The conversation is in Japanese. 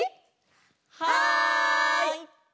はい！